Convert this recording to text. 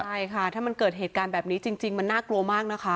ใช่ค่ะถ้ามันเกิดเหตุการณ์แบบนี้จริงมันน่ากลัวมากนะคะ